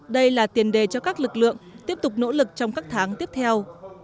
đây là tiền đề cho các lực lượng tiếp tục nỗ lực trong các tháng tiếp theo